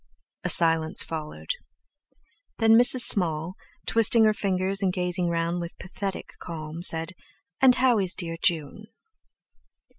A silence followed. Then Mrs. Small, twisting her fingers and gazing round with "pathetic calm", asked: "And how is dear June?"